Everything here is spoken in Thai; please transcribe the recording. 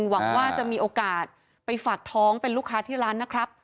หวังว่าจะมีโอกาสไปฝากท้องเป็นลูกค้าที่ร้านนะครับ